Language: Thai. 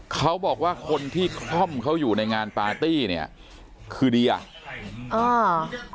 เขาบอกว่าคนที่คล่อมเขาอยู่ในงานปาร์ตี้เนี้ยคือเดียอ่า